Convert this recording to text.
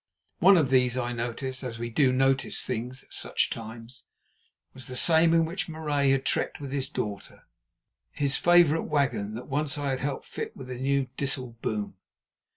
One of these I noticed, as we do notice things at such times, was the same in which Marais had trekked with his daughter, his favourite wagon that once I had helped to fit with a new dissel boom.